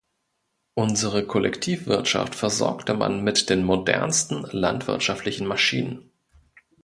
Unsere Kollektivwirtschaft versorgte man mit den modernsten landwirtschaftlichen Maschinen.